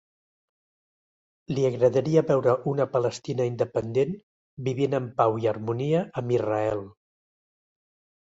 Li agradaria veure una Palestina independent vivint en pau i harmonia amb Israel.